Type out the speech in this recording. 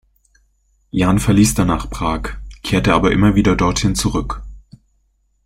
Jan verließ danach Prag, kehrte aber immer wieder dorthin zurück.